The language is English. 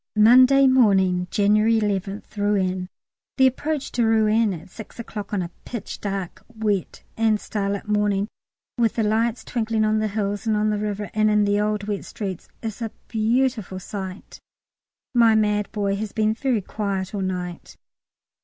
Monday morning, January 11th, Rouen. The approach to Rouen at six o'clock on a pitch dark, wet, and starlight morning, with the lights twinkling on the hills and on the river, and in the old wet streets, is a beautiful sight. My mad boy has been very quiet all night.